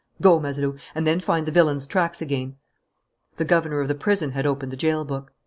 Go, Mazeroux, and then find the villain's tracks again." The governor of the prison had opened the jail book.